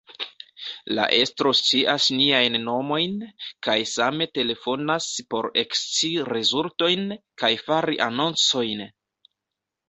La estro scias niajn nomojn, kaj same telefonas por ekscii rezultojn, kaj fari anoncojn.